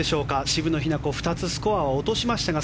渋野日向子２つスコアは落としましたが